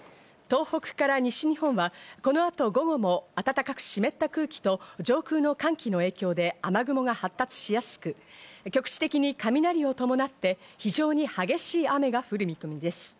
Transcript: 東北から西日本はこの後、午後も暖かく湿った空気と上空の寒気の影響で、雨雲が発達しやすく局地的に雷を伴って非常に激しい雨が降る見込みです。